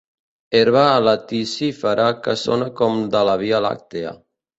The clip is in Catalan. Herba laticífera que sona com de la via làctia.